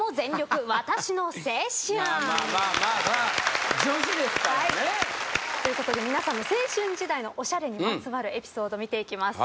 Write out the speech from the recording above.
まあまあそら女子ですからね。ということで皆さんの青春時代のおしゃれにまつわるエピソード見ていきます。